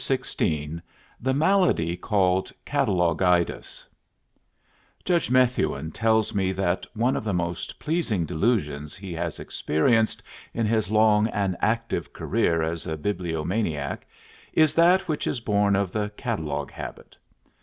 XVI THE MALADY CALLED CATALOGITIS Judge Methuen tells me that one of the most pleasing delusions he has experienced in his long and active career as a bibliomaniac is that which is born of the catalogue habit.